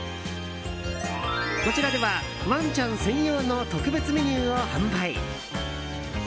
こちらではワンちゃん専用の特別メニューを販売。